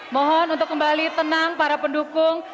mohon untuk kembali tenang para pendukung